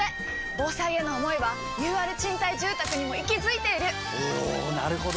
防災への想いはＵＲ賃貸住宅にも息づいているおなるほど！